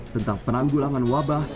tentang penanggulangan wabah